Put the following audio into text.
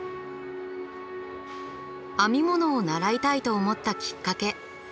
編み物を習いたいと思ったきっかけ。